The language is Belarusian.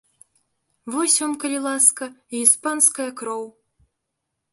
Вось вам, калі ласка, і іспанская кроў!